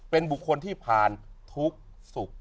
เป็นบุคคลที่ผ่านทุกข์สุข